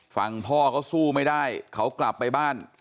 ฝั่งพ่อเขาสู้ไม่ได้เขากลับไปบ้าน